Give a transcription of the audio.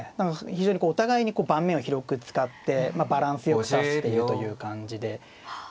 非常にこうお互いに盤面を広く使ってバランスよく指しているという感じで。